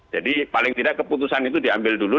jadi paling tidak keputusan itu diambil dulu